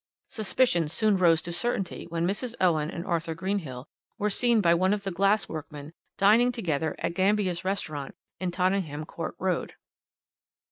Suspicions soon rose to certainty when Mrs. Owen and Arthur Greenhill were seen by one of the glass workmen dining together at Gambia's Restaurant in Tottenham Court Road.